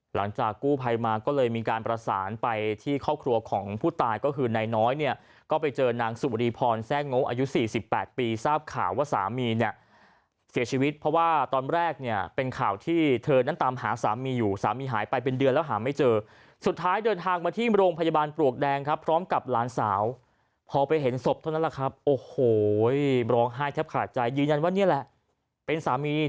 หลังจากกู้ภัยมาก็เลยมีการประสานไปที่ครอบครัวของผู้ตายก็คือนายน้อยเนี่ยก็ไปเจอนางสุบรีพรแทร่งโง่อายุ๔๘ปีทราบข่าวว่าสามีเนี่ยเสียชีวิตเพราะว่าตอนแรกเนี่ยเป็นข่าวที่เธอนั้นตามหาสามีอยู่สามีหายไปเป็นเดือนแล้วหาไม่เจอสุดท้ายเดินทางมาที่โรงพยาบาลปลวกแดงครับพร้อมกับหลานสาวพอไปเห็นศพเท่านั้นแหละครับโอ้โหร้องไห้แทบขาดใจยืนยันว่านี่แหละเป็นสามี